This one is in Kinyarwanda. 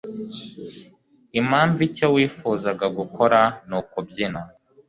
impamvu icyo wifuzaga gukora nukubyina